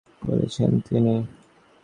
এই গল্প কি আপনি অনেকের সঙ্গে করেছেন?